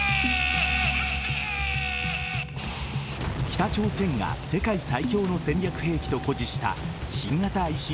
北朝鮮が世界最強の戦略兵器と誇示した新型ＩＣＢＭ